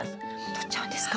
とっちゃうんですか？